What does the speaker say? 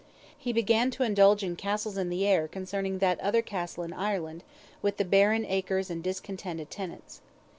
He began to indulge in castles in the air concerning that other castle in Ireland, with the barren acres and discontented tenants.